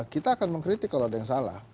kita akan mengkritik kalau ada yang salah